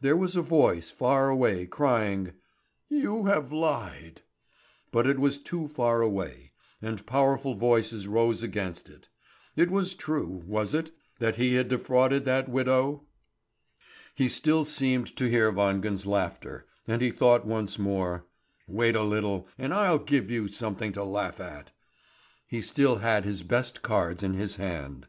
There was a voice far away, crying: "You have lied!" But it was too far away, and powerful voices rose against it. It was true, was it, that he had defrauded that widow? He still seemed to hear Wangen's laughter, and he thought once more: "Wait a little, and I'll give you something to laugh at!" He still had his best cards in his hand.